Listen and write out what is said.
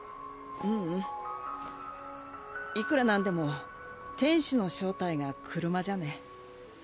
ううんいくらなんでも天使の正体が車じゃね。